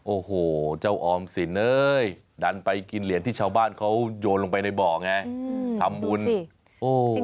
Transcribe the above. โอ้โหเจ้าออมสินเอ้ยดันไปกินเหรียญที่ชาวบ้านเขาโยนลงไปในบ่อไงอืมทำบุญโอ้